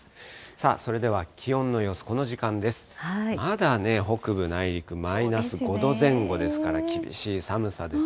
それでは気温の様子、この時間です。